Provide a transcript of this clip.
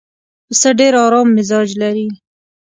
پسه ډېر ارام مزاج لري.